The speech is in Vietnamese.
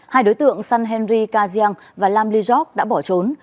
hai đối tượng san henry kajian và lam lê giọc đã bỏ trốn